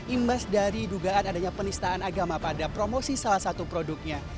imbas dari dugaan adanya penistaan agama pada promosi salah satu produknya